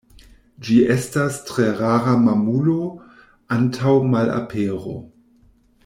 Ĝi estas tre rara mamulo, antaŭ malapero.